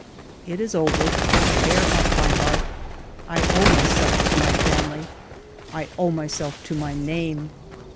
" It is over. Bear up, my heart. I owe my self to my family. I owe myself to my name.